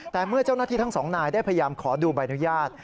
แต่เมื่อเจ้าหน้าที่ทั้งสองนายได้พยายามขอดูใบอนุญาต